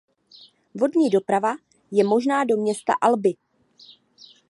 Vodní doprava je možná do města Albi.